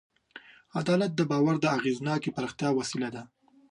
عدالت د باور د اغېزناکې پراختیا وسیله ده.